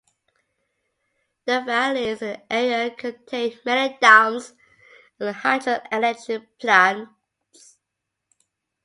The valleys in the area contain many dams and hydroelectric plants.